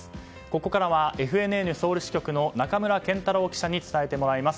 ここからはＦＮＮソウル支局の仲村健太郎記者に伝えてもらいます。